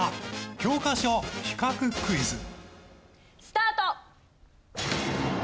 スタート！